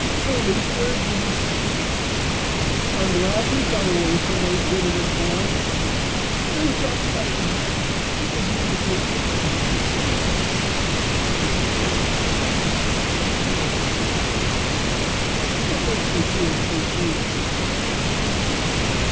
"Holy Virgin!" said Tessa; "I am glad we have got away from those women and boys; but I was not frightened, because you could take care of me." "Pretty little Tessa!" said Tito, smiling at her. "What makes you feel so safe with me?"